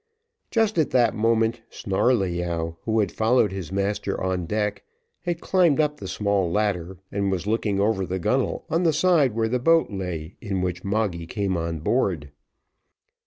Just at this moment, Snarleyyow, who had followed his master on deck, had climbed up the small ladder, and was looking over the gunnel on the side where the boat lay in which Moggy came on board.